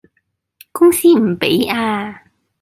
公司唔畀呀